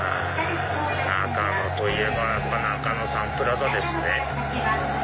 中野といえばやっぱ中野サンプラザですね。